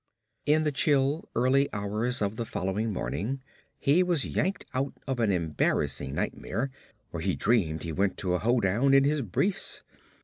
In the chill, early hours of the following morning he was yanked out of an embarrassing nightmare where he dreamed he went to a hoedown in his briefs.